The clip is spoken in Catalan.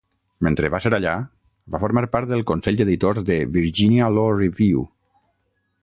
Mentre va ser allà, va formar part del consell d'editors de "Virginia Law Review".